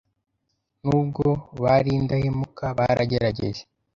nubwo bari indahemuka baragerageje